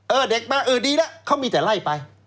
เออเด็กมาเออดีละเขามีแต่ไล่ไป